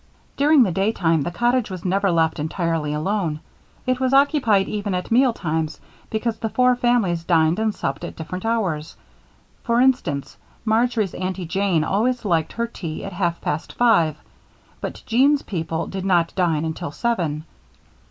During the daytime, the cottage was never left entirely alone. It was occupied even at mealtimes because the four families dined and supped at different hours; for instance, Marjory's Aunty Jane always liked her tea at half past five, but Jean's people did not dine until seven.